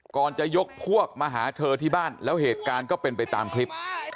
จะยกพวกมาหาเธอที่บ้านแล้วเหตุการณ์ก็เป็นไปตามคลิป